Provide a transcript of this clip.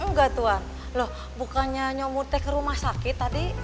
enggak tuan loh bukannya nyomute ke rumah sakit tadi